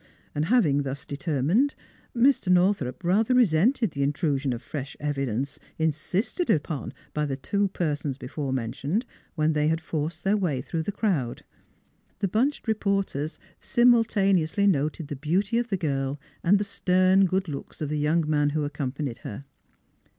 Having thus determined, Mr. Northrup rather resented the in trusion of fresh evidence, insisted upon by the two persons before mentioned when they had forced their way through the crowd. The bunched reporters simultaneously noted the beauty of the girl and the stern good looks of the young man who accompanied her.